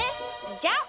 じゃあ。